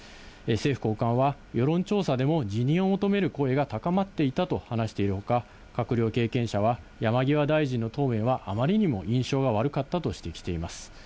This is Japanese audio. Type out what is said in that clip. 政府高官は、世論調査でも辞任を求める声が高まっていたと話しているほか、閣僚経験者は、山際大臣の答弁は、あまりにも印象が悪かったと指摘しています。